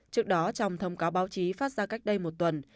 trước đó trong thông cáo báo chí phát ra cách đây một tuần